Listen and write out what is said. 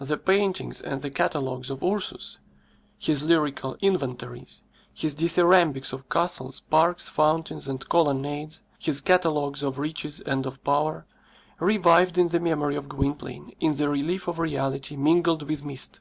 The paintings and the catalogues of Ursus, his lyrical inventories, his dithyrambics of castles, parks, fountains, and colonnades, his catalogues of riches and of power, revived in the memory of Gwynplaine in the relief of reality mingled with mist.